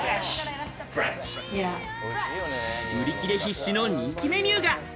売り切れ必至の人気メニューが。